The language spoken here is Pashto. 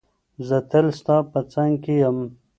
زه تل ستا په څنګ کې یم.